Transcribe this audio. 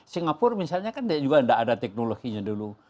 singapura misalnya kan juga tidak ada teknologinya dulu